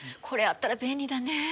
これあったら便利だね。